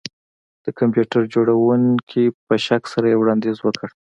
د کمپیوټر جوړونکي په شک سره یو وړاندیز وکړ